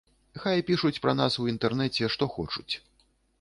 Хай пішуць пра нас у інтэрнэце што хочуць.